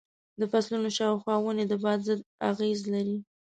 د فصلونو شاوخوا ونې د باد ضد اغېز لري.